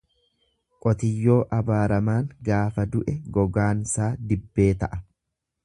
Qotiyyoo abaaramaan gaafa du'e gogaansaa dibbee ta'a.